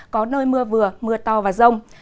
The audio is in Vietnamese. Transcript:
có nơi mưa vừa mưa to và rông